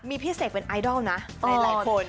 มีพี่เสกเป็นไอดอลนะหลายคน